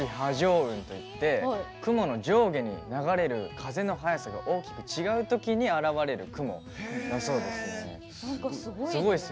雲といって雲の上下に流れる風の速さが大きく違うときに現れる雲だそうです。